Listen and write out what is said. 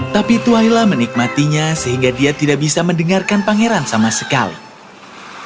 tapi twaila menikmatinya sehingga dia tidak bisa mendengarkan pangeran sama sekali